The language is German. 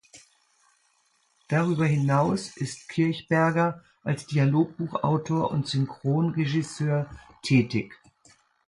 Darüber hinaus ist Kirchberger als Dialogbuchautor und Synchronregisseur tätig.